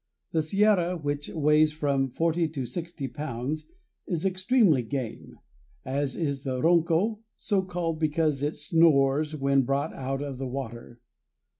The sierra, which weighs from forty to sixty pounds, is extremely game, as is the ronco, so called because it snores when brought out of the water.